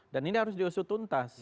dan ini harus diusut tuntas